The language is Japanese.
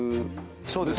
そうです。